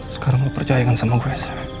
sekarang percaya kan sama gue